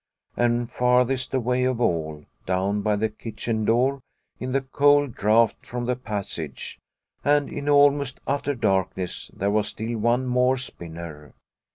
And farthest away of all, down by the kitchen door, in the cold draught from the passage, and in almost utter darkness, there was still one more spinner.